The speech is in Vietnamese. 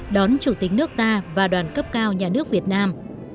đón chủ tịch nước ta và đoàn cấp cao nhà nước việt nam